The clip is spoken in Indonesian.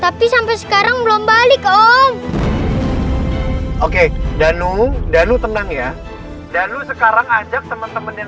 tapi sampai sekarang belum balik om oke danu dan lu tenang ya dan lu sekarang ajak temen temen yang